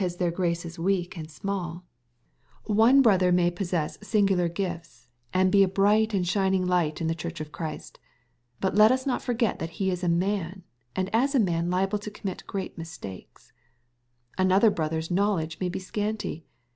their grace is weak and BmalL One brother may possess singular gifts, and be a bright and shining light in the Church of Christ. But let us not forget that he is a man, and as a man liable to commit great mistakes. — Another brother's knowledge may be scanty.